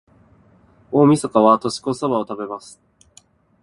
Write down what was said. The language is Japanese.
大晦日は、年越しそばを食べます。